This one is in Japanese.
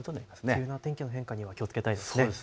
急な天気の変化には気をつけたいですね。